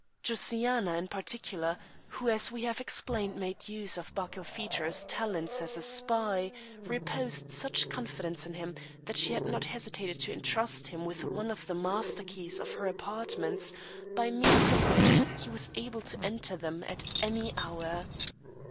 Josiana, in particular, who, as we have explained, made use of Barkilphedro's talents as a spy, reposed such confidence in him that she had not hesitated to entrust him with one of the master keys of her apartments, by means of which he was able to enter them at any hour.